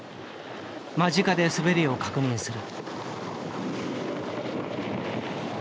間近で滑りを確認する。